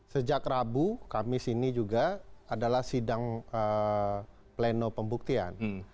sejak rabu kamis ini juga adalah sidang pleno pembuktian